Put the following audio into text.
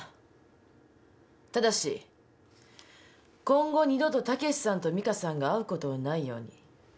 ただし今後二度と武さんと美香さんが会うことのないように。